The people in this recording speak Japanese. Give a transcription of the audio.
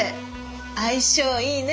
相性いいね。